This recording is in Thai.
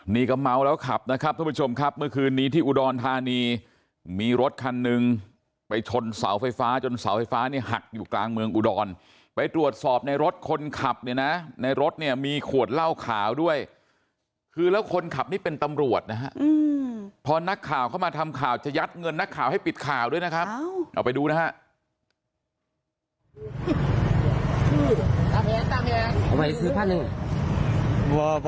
นี่ก็เมาแล้วขับนะครับทุกผู้ชมครับเมื่อคืนนี้ที่อุดรธานีมีรถคันหนึ่งไปชนเสาไฟฟ้าจนเสาไฟฟ้าเนี่ยหักอยู่กลางเมืองอุดรไปตรวจสอบในรถคนขับเนี่ยนะในรถเนี่ยมีขวดเหล้าขาวด้วยคือแล้วคนขับนี่เป็นตำรวจนะฮะพอนักข่าวเข้ามาทำข่าวจะยัดเงินนักข่าวให้ปิดข่าวด้วยนะครับเอาไปดูนะฮะ